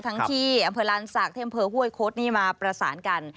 ที่อำเภอลานศักดิ์ที่อำเภอห้วยโค้ดนี่มาประสานกัน